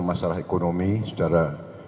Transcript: masalah ekonomi secara